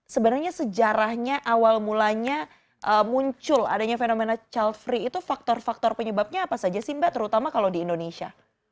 sebenarnya sejarahnya awal mulanya muncul adanya fenomena child free itu faktor faktor penyebabnya apa saja sih mbak terutama kalau di indonesia